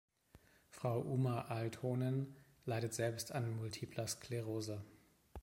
Frau Uma Aaltonen leidet selbst an Multipler Sklerose.